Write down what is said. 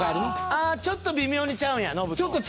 ああちょっと微妙にちゃうんやノブと。